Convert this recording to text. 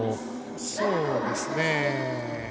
そうですね。